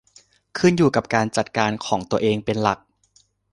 ขึ้นอยู่กับการจัดการของตัวเองเป็นหลัก